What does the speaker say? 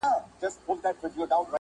له عالمه سره غم، نه غم.